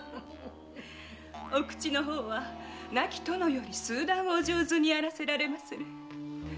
お口の方は亡き殿より数段お上手にあらせられまする。